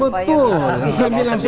pak imam jadi ingin cari temannya ya